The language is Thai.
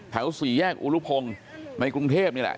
สี่แยกอุรุพงศ์ในกรุงเทพนี่แหละ